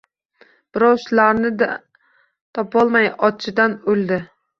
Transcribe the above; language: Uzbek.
Birov shularni-da topolmay — ochidan o‘ldi!